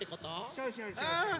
そうそうそうそう。